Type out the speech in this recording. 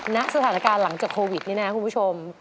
ณสถานการณ์หลังจากโควิดนี่นะคุณผู้ชม